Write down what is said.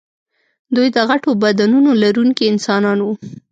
دوی د غټو بدنونو لرونکي انسانان وو.